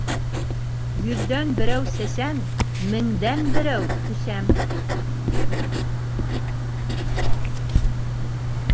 Йөҙҙән берәү сәсән, меңдән берәү күсәм.